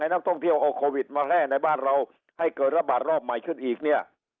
นักท่องเที่ยวเอาโควิดมาแพร่ในบ้านเราให้เกิดระบาดรอบใหม่ขึ้นอีกเนี่ย